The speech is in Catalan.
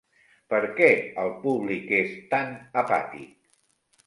Per què el públic és tan apàtic?